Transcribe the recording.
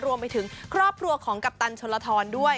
รวมไปถึงครอบครัวของกัปตันชนลทรด้วย